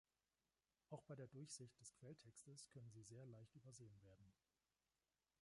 Auch bei der Durchsicht des Quelltextes können sie sehr leicht übersehen werden.